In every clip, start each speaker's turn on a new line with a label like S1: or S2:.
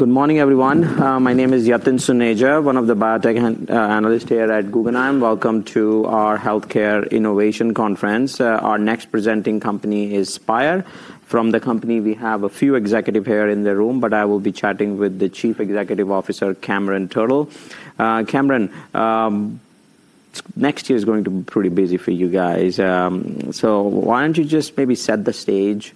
S1: Good morning, everyone. My name is Yatin Suneja, one of the biotech analysts here at Guggenheim. Welcome to our healthcare innovation conference. Our next presenting company is Spyre. From the company, we have a few executives here in the room, but I will be chatting with the Chief Executive Officer, Cameron Turtle. Cameron, next year is going to be pretty busy for you guys. Why don't you just maybe set the stage,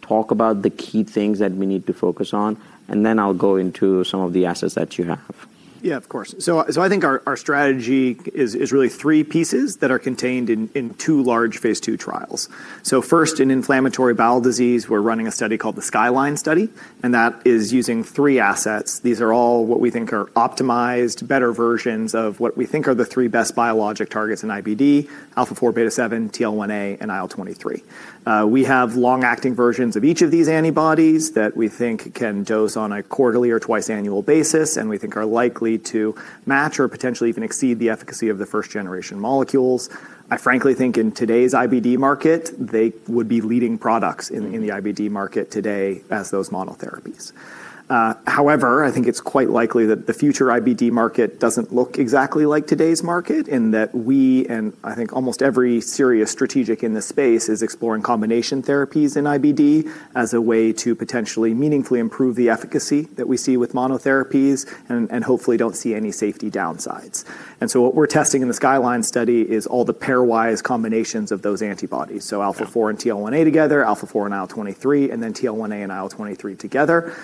S1: talk about the key things that we need to focus on, and then I'll go into some of the assets that you have.
S2: Yeah, of course. I think our strategy is really three pieces that are contained in two large phase II trials. First, in inflammatory bowel disease, we're running a study called the SKYLINE study, and that is using three assets. These are all what we think are optimized, better versions of what we think are the three best biologic targets in IBD: alpha-4 beta-7, TL1A, and IL-23. We have long-acting versions of each of these antibodies that we think can dose on a quarterly or twice-annual basis, and we think are likely to match or potentially even exceed the efficacy of the first-generation molecules. I frankly think in today's IBD market, they would be leading products in the IBD market today as those monotherapies. However, I think it's quite likely that the future IBD market doesn't look exactly like today's market in that we, and I think almost every serious strategic in the space, is exploring combination therapies in IBD as a way to potentially meaningfully improve the efficacy that we see with monotherapies, and hopefully don't see any safety downsides. What we're testing in the SKYLINE study is all the pairwise combinations of those antibodies. Alpha-4 and TL1A together, alpha-4 and IL-23, and then TL1A and IL-23 together.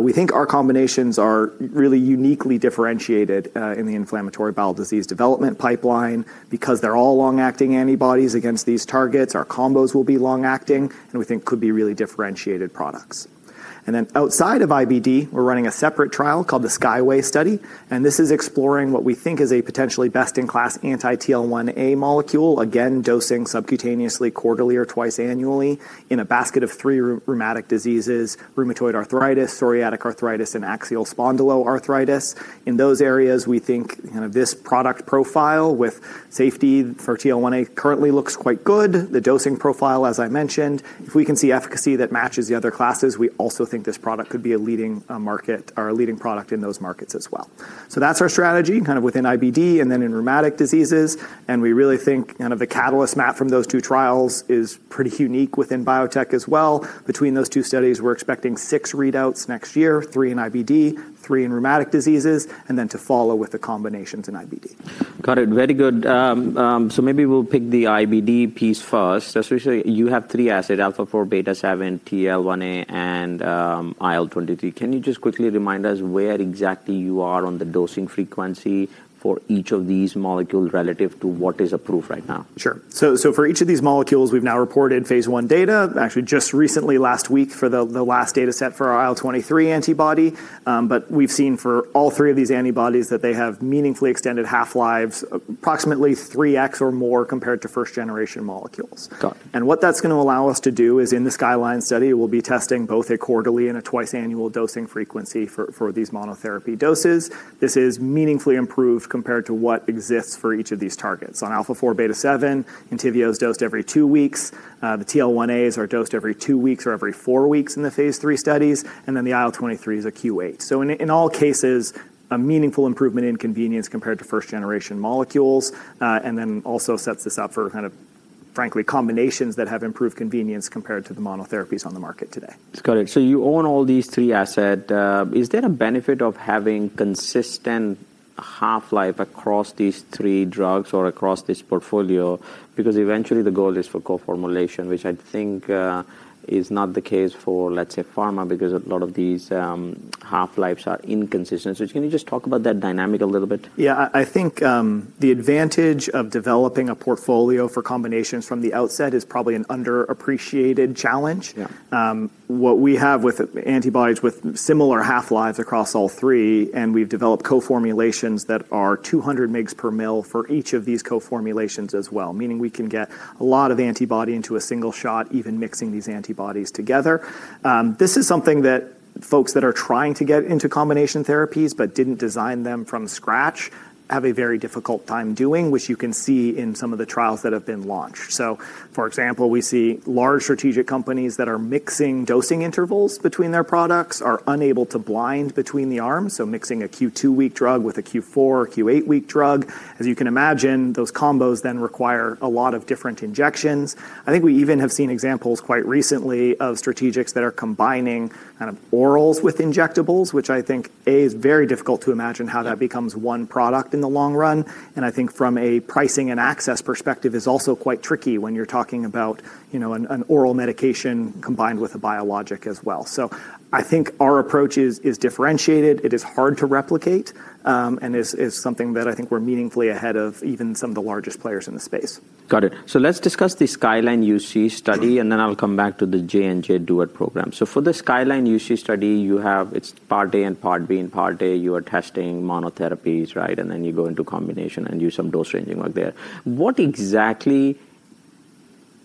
S2: We think our combinations are really uniquely differentiated in the inflammatory bowel disease development pipeline because they're all long-acting antibodies against these targets. Our combos will be long-acting, and we think could be really differentiated products. Outside of IBD, we're running a separate trial called the SKYWAY study, and this is exploring what we think is a potentially best-in-class anti-TL1A molecule, again, dosing subcutaneously quarterly or twice annually in a basket of three rheumatic diseases: rheumatoid arthritis, psoriatic arthritis, and axial spondyloarthritis. In those areas, we think this product profile with safety for TL1A currently looks quite good. The dosing profile, as I mentioned, if we can see efficacy that matches the other classes, we also think this product could be a leading market or a leading product in those markets as well. That is our strategy kind of within IBD and then in rheumatic diseases. We really think the catalyst map from those two trials is pretty unique within biotech as well. Between those two studies, we're expecting six readouts next year: three in IBD, three in rheumatic diseases, and then to follow with the combinations in IBD.
S1: Got it. Very good. Maybe we'll pick the IBD piece first. You have three assets: alpha-4 beta-7, TL1A, and IL-23. Can you just quickly remind us where exactly you are on the dosing frequency for each of these molecules relative to what is approved right now?
S2: Sure. For each of these molecules, we've now reported phase I data, actually just recently, last week for the last data set for our IL-23 antibody. We've seen for all three of these antibodies that they have meaningfully extended half-lives, approximately 3x or more compared to first-generation molecules. What that's going to allow us to do is in the SKYLINE study, we'll be testing both a quarterly and a twice-annual dosing frequency for these monotherapy doses. This is meaningfully improved compared to what exists for each of these targets. On alpha-4 beta-7, Entyvio is dosed every two weeks. The TL1As are dosed every two weeks or every four weeks in the phase III studies. The IL-23 is a Q8. In all cases, a meaningful improvement in convenience compared to first-generation molecules, and then also sets this up for kind of, frankly, combinations that have improved convenience compared to the monotherapies on the market today.
S1: Got it. So you own all these three assets. Is there a benefit of having consistent half-life across these three drugs or across this portfolio? Because eventually the goal is for co-formulation, which I think is not the case for, let's say, pharma, because a lot of these half-lives are inconsistent. Can you just talk about that dynamic a little bit?
S2: Yeah. I think the advantage of developing a portfolio for combinations from the outset is probably an underappreciated challenge. What we have with antibodies with similar half-lives across all three, and we've developed co-formulations that are 200 mg per ml for each of these co-formulations as well, meaning we can get a lot of antibody into a single shot, even mixing these antibodies together. This is something that folks that are trying to get into combination therapies but didn't design them from scratch have a very difficult time doing, which you can see in some of the trials that have been launched. For example, we see large strategic companies that are mixing dosing intervals between their products are unable to blind between the arms. Mixing a Q2 week drug with a Q4 or Q8 week drug, as you can imagine, those combos then require a lot of different injections. I think we even have seen examples quite recently of strategics that are combining kind of orals with injectables, which I think, A, is very difficult to imagine how that becomes one product in the long run. I think from a pricing and access perspective, it is also quite tricky when you're talking about an oral medication combined with a biologic as well. I think our approach is differentiated. It is hard to replicate and is something that I think we're meaningfully ahead of even some of the largest players in the space.
S1: Got it. Let's discuss the SKYLINE-UC study, and then I'll come back to the J&J DUET program. For the SKYLINE-UC study, you have its part A and part B. In part A, you are testing monotherapies, right? Then you go into combination and do some dose ranging work there. What exactly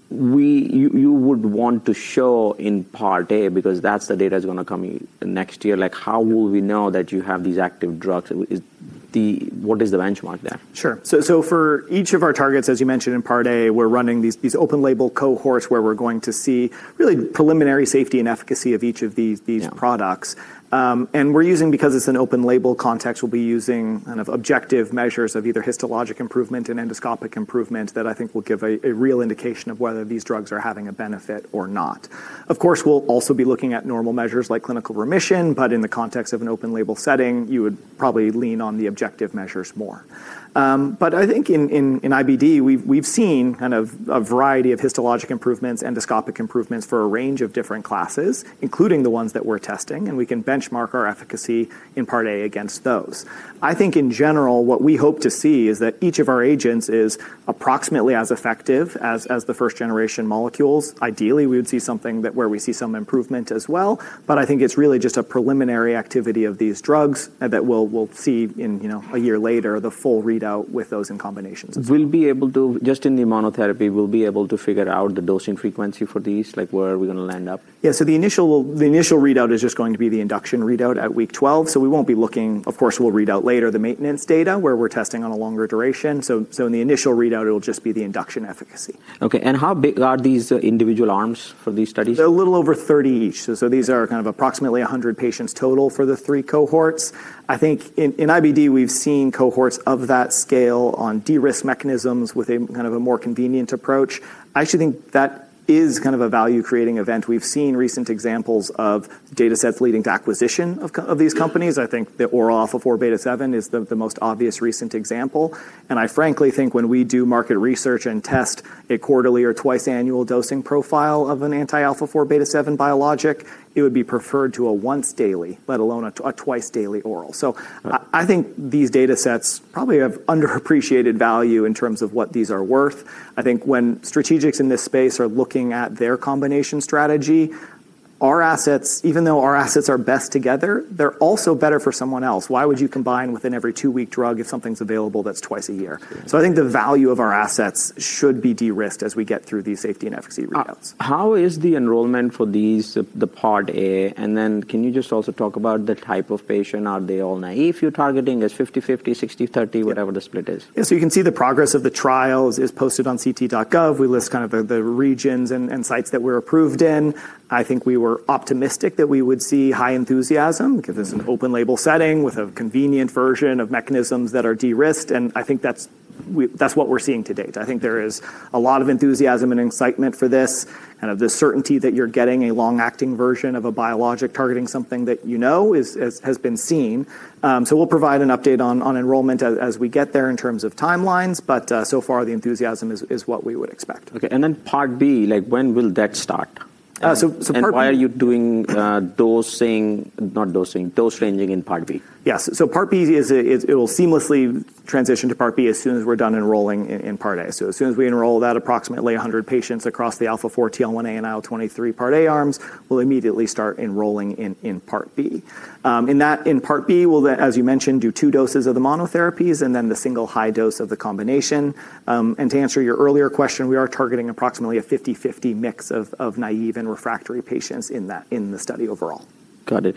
S1: would you want to show in part A, because that's the data that's going to come next year? Like, how will we know that you have these active drugs? What is the benchmark there?
S2: Sure. For each of our targets, as you mentioned in part A, we're running these open-label cohorts where we're going to see really preliminary safety and efficacy of each of these products. We're using, because it's an open-label context, kind of objective measures of either histologic improvement and endoscopic improvement that I think will give a real indication of whether these drugs are having a benefit or not. Of course, we'll also be looking at normal measures like clinical remission, but in the context of an open-label setting, you would probably lean on the objective measures more. I think in IBD, we've seen kind of a variety of histologic improvements, endoscopic improvements for a range of different classes, including the ones that we're testing, and we can benchmark our efficacy in part A against those. I think in general, what we hope to see is that each of our agents is approximately as effective as the first-generation molecules. Ideally, we would see something where we see some improvement as well. I think it's really just a preliminary activity of these drugs that we'll see in a year later, the full readout with those in combinations.
S1: Will be able to, just in the monotherapy, will be able to figure out the dosing frequency for these? Like where are we going to land up?
S2: Yeah. The initial readout is just going to be the induction readout at week 12. We will not be looking, of course, we will read out later the maintenance data where we are testing on a longer duration. In the initial readout, it will just be the induction efficacy.
S1: Okay. How big are these individual arms for these studies?
S2: They're a little over 30 each. So these are kind of approximately 100 patients total for the three cohorts. I think in IBD, we've seen cohorts of that scale on de-risk mechanisms with kind of a more convenient approach. I actually think that is kind of a value-creating event. We've seen recent examples of data sets leading to acquisition of these companies. I think the oral alpha-4 beta-7 is the most obvious recent example. And I frankly think when we do market research and test a quarterly or twice-annual dosing profile of an anti-alpha-4 beta-7 biologic, it would be preferred to a once-daily, let alone a twice-daily oral. So I think these data sets probably have underappreciated value in terms of what these are worth. I think when strategics in this space are looking at their combination strategy, our assets, even though our assets are best together, they're also better for someone else. Why would you combine with an every two-week drug if something's available that's twice a year? I think the value of our assets should be de-risked as we get through these safety and efficacy readouts.
S1: How is the enrollment for these, the part A? Can you just also talk about the type of patient? Are they all naive you're targeting? Is it 50/50, 60/30, whatever the split is?
S2: Yeah. You can see the progress of the trials is posted on ct.gov. We list kind of the regions and sites that we're approved in. I think we were optimistic that we would see high enthusiasm because it's an open-label setting with a convenient version of mechanisms that are de-risked. I think that's what we're seeing to date. I think there is a lot of enthusiasm and excitement for this, kind of the certainty that you're getting a long-acting version of a biologic targeting something that you know has been seen. We'll provide an update on enrollment as we get there in terms of timelines. So far, the enthusiasm is what we would expect.
S1: Okay. And then part B, like when will that start? And why are you doing dose ranging in part B?
S2: Yes. Part B, it'll seamlessly transition to part B as soon as we're done enrolling in part A. As soon as we enroll that approximately 100 patients across the alpha-4, TL1A, and IL-23 part A arms, we'll immediately start enrolling in part B. In part B, we'll, as you mentioned, do two doses of the monotherapies and then the single high dose of the combination. To answer your earlier question, we are targeting approximately a 50/50 mix of naive and refractory patients in the study overall.
S1: Got it.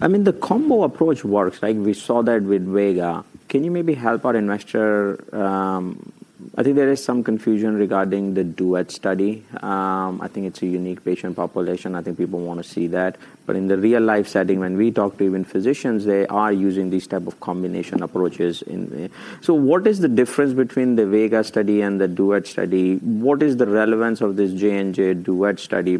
S1: I mean, the combo approach works. We saw that with VEGA. Can you maybe help our investor? I think there is some confusion regarding the DUET study. I think it's a unique patient population. I think people want to see that. In the real-life setting, when we talk to even physicians, they are using these types of combination approaches. What is the difference between the VEGA study and the DUET study? What is the relevance of this J&J DUET study?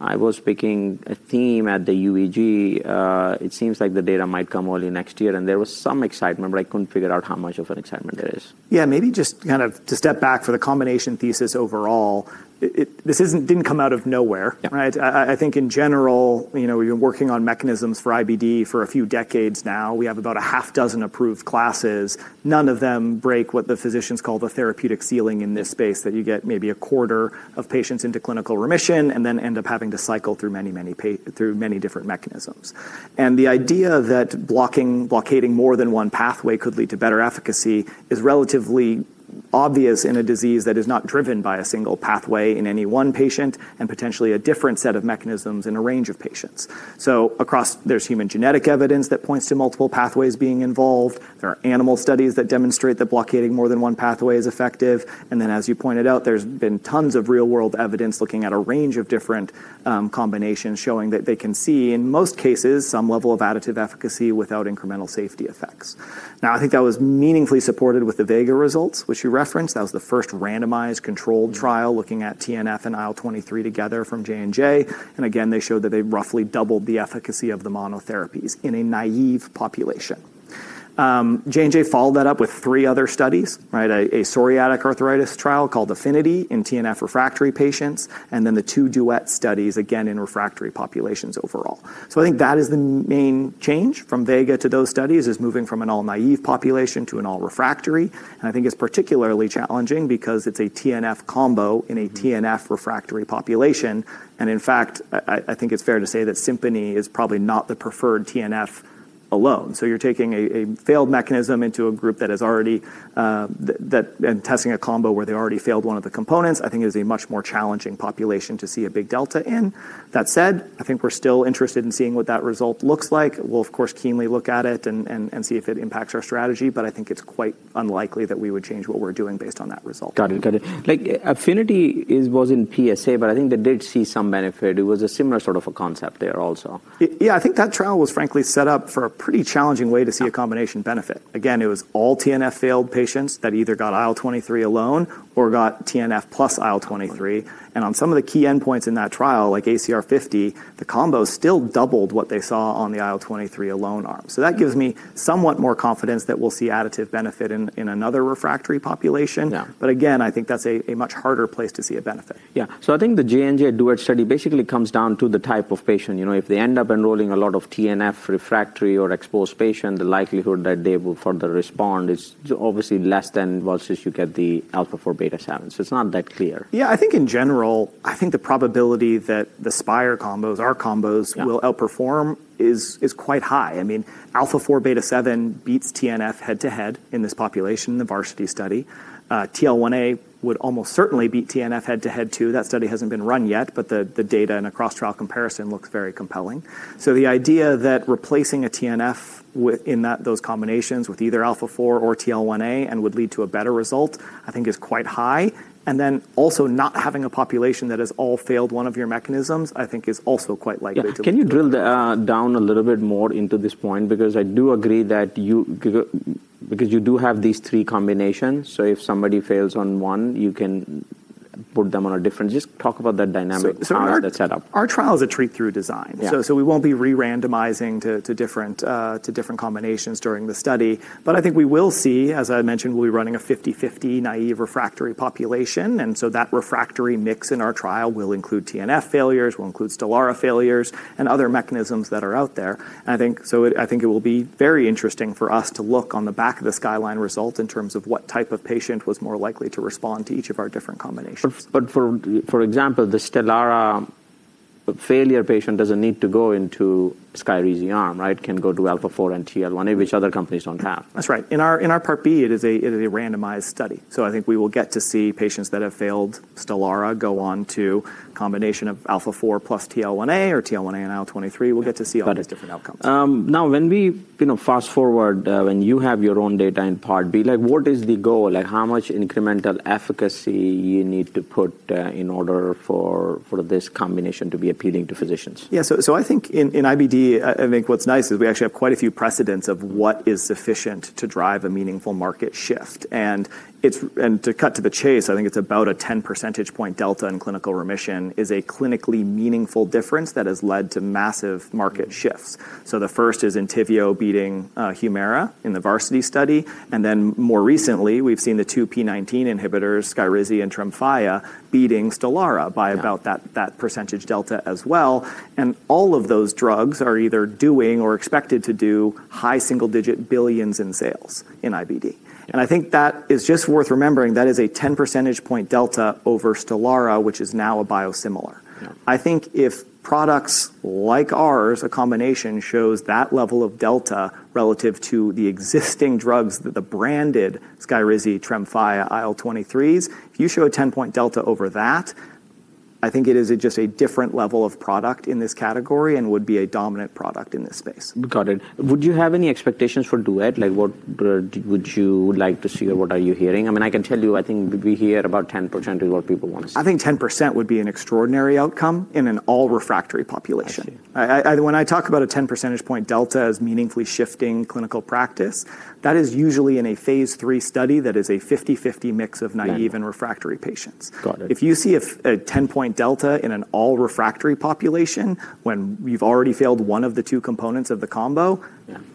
S1: I was picking a theme at the UEG. It seems like the data might come only next year, and there was some excitement, but I couldn't figure out how much of an excitement there is.
S2: Yeah. Maybe just kind of to step back for the combination thesis overall, this did not come out of nowhere, right? I think in general, we have been working on mechanisms for IBD for a few decades now. We have about a half dozen approved classes. None of them break what the physicians call the therapeutic ceiling in this space that you get maybe a quarter of patients into clinical remission and then end up having to cycle through many, many different mechanisms. The idea that blocking more than one pathway could lead to better efficacy is relatively obvious in a disease that is not driven by a single pathway in any one patient and potentially a different set of mechanisms in a range of patients. Across, there is human genetic evidence that points to multiple pathways being involved. There are animal studies that demonstrate that blocking more than one pathway is effective. As you pointed out, there's been tons of real-world evidence looking at a range of different combinations showing that they can see, in most cases, some level of additive efficacy without incremental safety effects. I think that was meaningfully supported with the VEGA results, which you referenced. That was the first randomized controlled trial looking at TNF and IL-23 together from J&J. They showed that they roughly doubled the efficacy of the monotherapies in a naive population. J&J followed that up with three other studies, right? A psoriatic arthritis trial called Affinity in TNF refractory patients, and then the two DUET studies, again, in refractory populations overall. I think that is the main change from VEGA to those studies, moving from an all-naive population to an all-refractory. I think it's particularly challenging because it's a TNF combo in a TNF refractory population. In fact, I think it's fair to say that Simponi is probably not the preferred TNF alone. You're taking a failed mechanism into a group that has already been testing a combo where they already failed one of the components. I think it is a much more challenging population to see a big delta in. That said, I think we're still interested in seeing what that result looks like. We'll, of course, keenly look at it and see if it impacts our strategy. I think it's quite unlikely that we would change what we're doing based on that result.
S1: Got it. Got it. Like Affinity was in PSA, but I think they did see some benefit. It was a similar sort of a concept there also.
S2: Yeah. I think that trial was frankly set up for a pretty challenging way to see a combination benefit. Again, it was all TNF failed patients that either got IL-23 alone or got TNF plus IL-23. On some of the key endpoints in that trial, like ACR50, the combo still doubled what they saw on the IL-23 alone arm. That gives me somewhat more confidence that we'll see additive benefit in another refractory population. I think that's a much harder place to see a benefit.
S1: Yeah. So I think the J&J DUET study basically comes down to the type of patient. If they end up enrolling a lot of TNF refractory or exposed patients, the likelihood that they will further respond is obviously less than versus you get the alpha-4 beta-7. So it's not that clear.
S2: Yeah. I think in general, I think the probability that the Spyre combos, our combos, will outperform is quite high. I mean, alpha-4 beta-7 beats TNF head-to-head in this population, the Varsity study. TL1A would almost certainly beat TNF head-to-head too. That study hasn't been run yet, but the data and a cross-trial comparison looks very compelling. The idea that replacing a TNF in those combinations with either alpha-4 or TL1A would lead to a better result, I think is quite high. Also, not having a population that has all failed one of your mechanisms, I think is also quite likely to.
S1: Can you drill down a little bit more into this point? Because I do agree that you do have these three combinations. If somebody fails on one, you can put them on a different. Just talk about that dynamic that's set up.
S2: Our trial is a tree-through design. We won't be re-randomizing to different combinations during the study. I think we will see, as I mentioned, we'll be running a 50/50 naive refractory population. That refractory mix in our trial will include TNF failures, will include Stelara failures, and other mechanisms that are out there. I think it will be very interesting for us to look on the back of the SKYLINE result in terms of what type of patient was more likely to respond to each of our different combinations.
S1: For example, the Stelara failure patient doesn't need to go into Skyrizi arm, right? Can go to alpha-4 and TL1A, which other companies don't have.
S2: That's right. In our part B, it is a randomized study. I think we will get to see patients that have failed Stelara go on to a combination of alpha-4 beta-7 plus TL1A or TL1A and IL-23. We'll get to see all these different outcomes.
S1: Now, when we fast forward, when you have your own data in part B, like what is the goal? Like how much incremental efficacy you need to put in order for this combination to be appealing to physicians?
S2: Yeah. So I think in IBD, I think what's nice is we actually have quite a few precedents of what is sufficient to drive a meaningful market shift. To cut to the chase, I think it's about a 10 percentage point delta in clinical remission is a clinically meaningful difference that has led to massive market shifts. The first is Entyvio beating Humira in the Varsity study. More recently, we've seen the two p19 inhibitors, Skyrizi and Tremfya, beating Stelara by about that percentage delta as well. All of those drugs are either doing or expected to do high single-digit billions in sales in IBD. I think that is just worth remembering. That is a 10 percentage point delta over Stelara, which is now a biosimilar. I think if products like ours, a combination, shows that level of delta relative to the existing drugs, the branded Skyrizi, Tremfya, IL-23s, if you show a 10% delta over that, I think it is just a different level of product in this category and would be a dominant product in this space.
S1: Got it. Would you have any expectations for DUET? Like what would you like to see or what are you hearing? I mean, I can tell you, I think we hear about 10% is what people want to see.
S2: I think 10% would be an extraordinary outcome in an all-refractory population. When I talk about a 10 percentage point delta as meaningfully shifting clinical practice, that is usually in a phase III study that is a 50/50 mix of naive and refractory patients. If you see a 10-point delta in an all-refractory population when you've already failed one of the two components of the combo,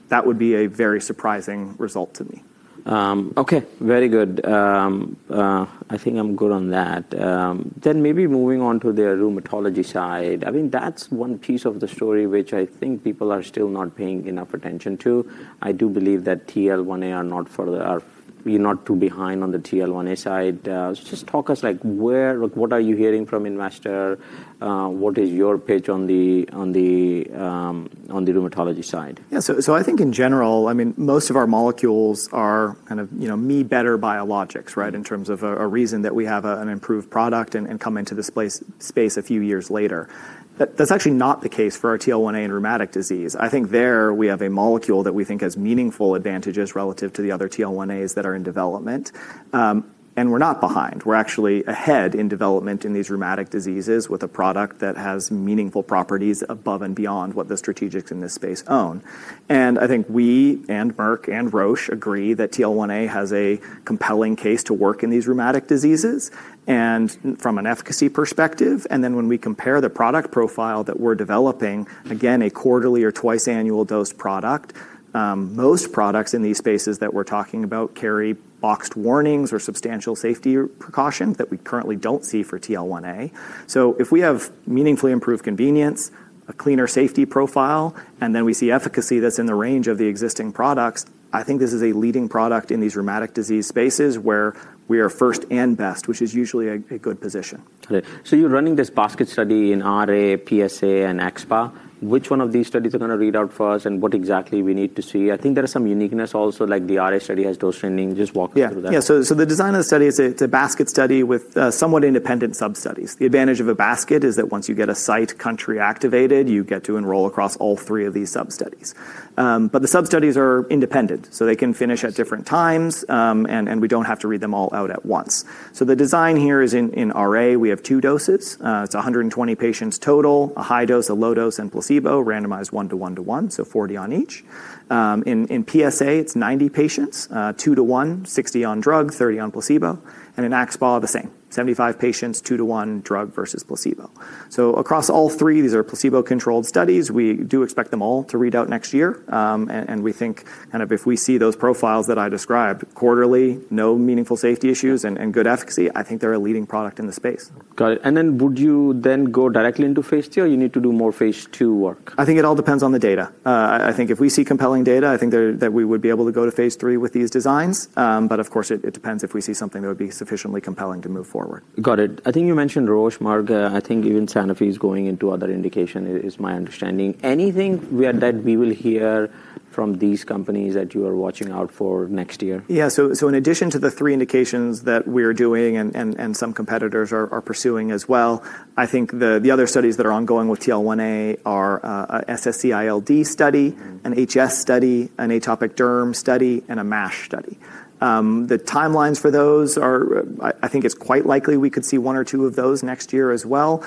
S2: that would be a very surprising result to me.
S1: Okay. Very good. I think I'm good on that. Maybe moving on to the rheumatology side. I mean, that's one piece of the story which I think people are still not paying enough attention to. I do believe that TL1A are not further, are not too behind on the TL1A side. Just talk us, like, what are you hearing from investor? What is your pitch on the rheumatology side?
S2: Yeah. I think in general, I mean, most of our molecules are kind of me-better biologics, right, in terms of a reason that we have an improved product and come into this space a few years later. That's actually not the case for our TL1A in rheumatic disease. I think there we have a molecule that we think has meaningful advantages relative to the other TL1As that are in development. We're not behind. We're actually ahead in development in these rheumatic diseases with a product that has meaningful properties above and beyond what the strategics in this space own. I think we and Merck and Roche agree that TL1A has a compelling case to work in these rheumatic diseases from an efficacy perspective. When we compare the product profile that we're developing, again, a quarterly or twice-annual dose product, most products in these spaces that we're talking about carry boxed warnings or substantial safety precautions that we currently don't see for TL1A. If we have meaningfully improved convenience, a cleaner safety profile, and then we see efficacy that's in the range of the existing products, I think this is a leading product in these rheumatic disease spaces where we are first and best, which is usually a good position.
S1: Got it. So you're running this basket study in RA, PSA, and ECSPA. Which one of these studies are going to read out first and what exactly we need to see? I think there are some uniqueness also, like the RA study has dose ranging. Just walk us through that.
S2: Yeah. The design of the study is a basket study with somewhat independent sub-studies. The advantage of a basket is that once you get a site country activated, you get to enroll across all three of these sub-studies. The sub-studies are independent, so they can finish at different times, and we do not have to read them all out at once. The design here is in RA. We have two doses. It is 120 patients total, a high dose, a low dose, and placebo, randomized one to one to one, so 40 on each. In PSA, it is 90 patients, two to one, 60 on drug, 30 on placebo. In ECSPA, the same, 75 patients, two to one, drug versus placebo. Across all three, these are placebo-controlled studies. We do expect them all to read out next year. We think kind of if we see those profiles that I described, quarterly, no meaningful safety issues and good efficacy, I think they're a leading product in the space.
S1: Got it. Would you then go directly into phase II, or do you need to do more phase II work?
S2: I think it all depends on the data. I think if we see compelling data, I think that we would be able to go to phase III with these designs. Of course, it depends if we see something that would be sufficiently compelling to move forward.
S1: Got it. I think you mentioned Roche, Merck, I think even Sanofi is going into other indication, is my understanding. Anything that we will hear from these companies that you are watching out for next year?
S2: Yeah. In addition to the three indications that we are doing and some competitors are pursuing as well, I think the other studies that are ongoing with TL1A are an SSc-ILD study, an HS study, an atopic derm study, and a MASH study. The timelines for those are, I think it's quite likely we could see one or two of those next year as well.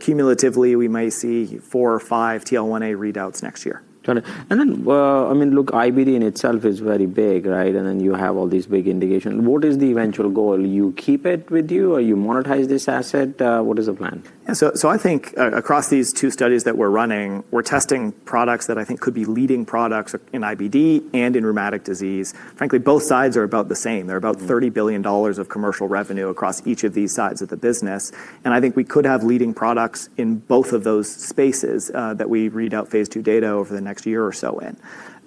S2: Cumulatively, we may see four or five TL1A readouts next year.
S1: Got it. I mean, look, IBD in itself is very big, right? You have all these big indications. What is the eventual goal? You keep it with you? Are you monetizing this asset? What is the plan?
S2: Yeah. I think across these two studies that we're running, we're testing products that I think could be leading products in IBD and in rheumatic disease. Frankly, both sides are about the same. They're about $30 billion of commercial revenue across each of these sides of the business. I think we could have leading products in both of those spaces that we read out phase II data over the next year or so in.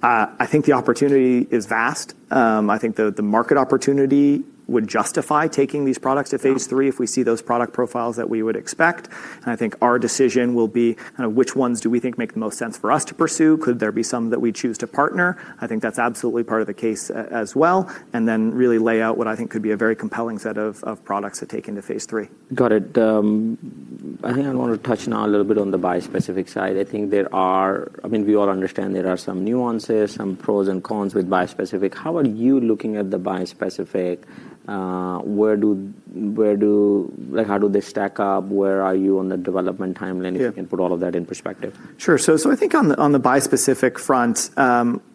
S2: I think the opportunity is vast. I think the market opportunity would justify taking these products to phase III if we see those product profiles that we would expect. I think our decision will be kind of which ones do we think make the most sense for us to pursue. Could there be some that we choose to partner? I think that's absolutely part of the case as well. I really lay out what I think could be a very compelling set of products to take into phase III.
S1: Got it. I think I want to touch now a little bit on the bispecific side. I think there are, I mean, we all understand there are some nuances, some pros and cons with bispecific. How are you looking at the bispecific? Like how do they stack up? Where are you on the development timeline if you can put all of that in perspective?
S2: Sure. I think on the bispecific front,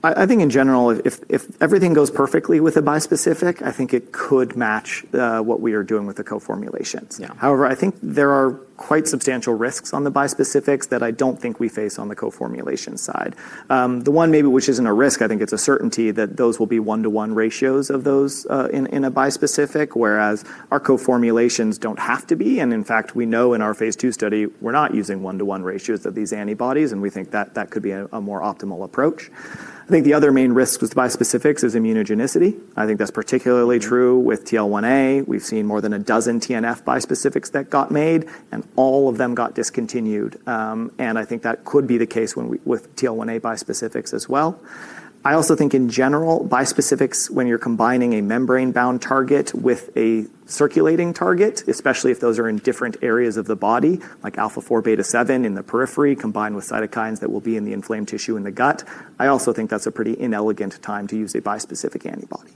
S2: I think in general, if everything goes perfectly with the bispecific, I think it could match what we are doing with the co-formulations. However, I think there are quite substantial risks on the bispecifics that I do not think we face on the co-formulation side. The one maybe which is not a risk, I think it is a certainty that those will be one-to-one ratios of those in a bispecific, whereas our co-formulations do not have to be. In fact, we know in our phase II study, we are not using one-to-one ratios of these antibodies, and we think that that could be a more optimal approach. I think the other main risk with bispecifics is immunogenicity. I think that is particularly true with TL1A. We have seen more than a dozen TNF bispecifics that got made, and all of them got discontinued. I think that could be the case with TL1A bispecifics as well. I also think in general, bispecifics, when you're combining a membrane-bound target with a circulating target, especially if those are in different areas of the body, like alpha-4 beta-7 in the periphery combined with cytokines that will be in the inflamed tissue in the gut, I also think that's a pretty inelegant time to use a bispecific antibody.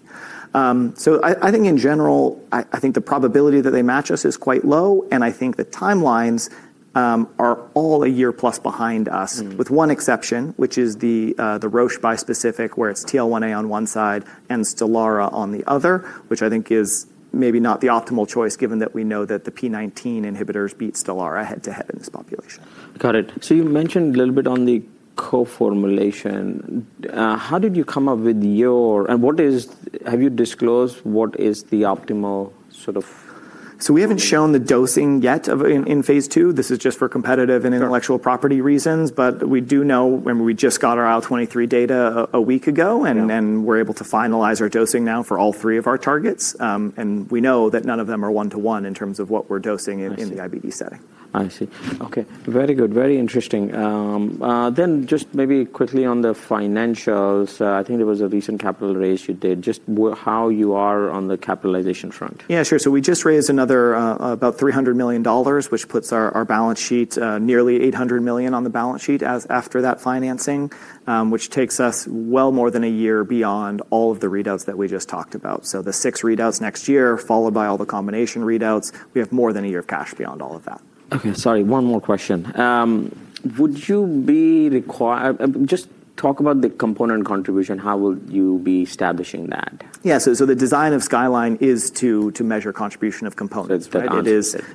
S2: I think in general, the probability that they match us is quite low. I think the timelines are all a year plus behind us with one exception, which is the Roche bispecific where it's TL1A on one side and Stelara on the other, which I think is maybe not the optimal choice given that we know that the P19 inhibitors beat Stelara head-to-head in this population.
S1: Got it. You mentioned a little bit on the co-formulation. How did you come up with your, and what is, have you disclosed what is the optimal sort of?
S2: We have not shown the dosing yet in phase II. This is just for competitive and intellectual property reasons. We do know, and we just got our IL-23 data a week ago, and we are able to finalize our dosing now for all three of our targets. We know that none of them are one-to-one in terms of what we are dosing in the IBD setting.
S1: I see. Okay. Very good. Very interesting. Then just maybe quickly on the financials. I think there was a recent capital raise you did. Just how you are on the capitalization front?
S2: Yeah, sure. So we just raised another about $300 million, which puts our balance sheet nearly $800 million on the balance sheet after that financing, which takes us well more than a year beyond all of the readouts that we just talked about. The six readouts next year, followed by all the combination readouts, we have more than a year of cash beyond all of that.
S1: Okay. Sorry. One more question. Would you be required, just talk about the component contribution. How will you be establishing that?
S2: Yeah. The design of SKYLINE is to measure contribution of components. It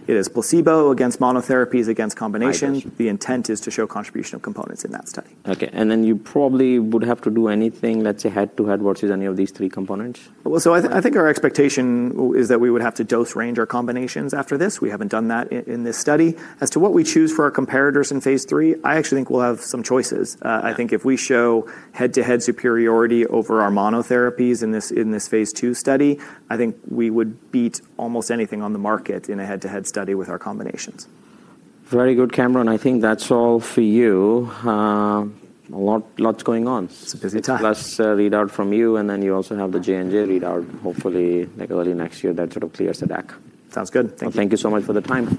S2: is placebo against monotherapies, against combination. The intent is to show contribution of components in that study.
S1: Okay. You probably would have to do anything, let's say, head-to-head versus any of these three components?
S2: I think our expectation is that we would have to dose range our combinations after this. We haven't done that in this study. As to what we choose for our comparators in phase III, I actually think we'll have some choices. I think if we show head-to-head superiority over our monotherapies in this phase II study, I think we would beat almost anything on the market in a head-to-head study with our combinations.
S1: Very good, Cameron. I think that's all for you. Lots going on.
S2: It's a busy time.
S1: Plus readout from you. Then you also have the J&J readout, hopefully, like early next year that sort of clears the deck.
S2: Sounds good. Thank you.
S1: Thank you so much for the time.